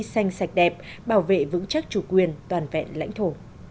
xanh sạch đẹp bảo vệ vững chắc chủ quyền toàn vẹn lãnh thổ